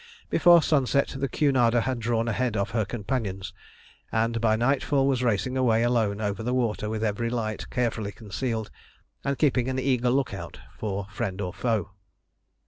Before sunset the Cunarder had drawn ahead of her companions, and by nightfall was racing away alone over the water with every light carefully concealed, and keeping an eager look out for friend or foe.